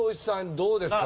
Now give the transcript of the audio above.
どうですか？